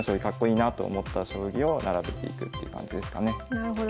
なるほど。